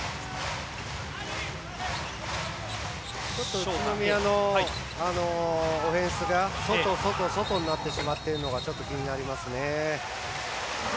宇都宮のオフェンスが外、外、外になってしまっているのがちょっと気になりますね。